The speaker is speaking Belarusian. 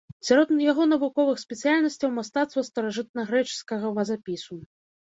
Сярод яго навуковых спецыяльнасцяў мастацтва старажытнагрэчаскага вазапісу.